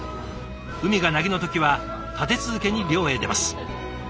海が凪の時は立て続けに漁へ出ます。